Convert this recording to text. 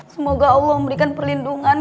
berarti ke lagu